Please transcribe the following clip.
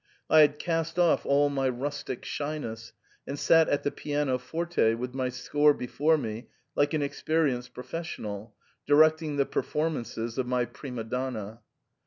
I bad cast off all my rustic shyness, and sat at the piano forte with my score before me like an experienced pro fessional, directing the performances of xny prima donna.